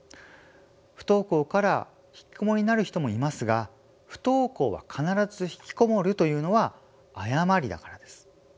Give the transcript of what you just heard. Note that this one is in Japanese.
不登校から引きこもりになる人もいますが不登校は必ず引きこもるというのは誤りだからです。